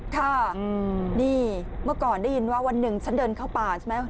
ค่ะนี่เมื่อก่อนได้ยินว่าวันหนึ่งฉันเดินเข้าป่าใช่ไหม